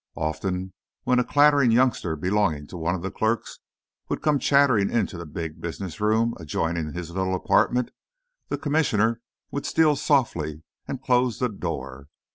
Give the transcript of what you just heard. Often when a clattering youngster belonging to one of the clerks would come chattering into the big business room adjoining his little apartment, the Commissioner would steal softly and close the door.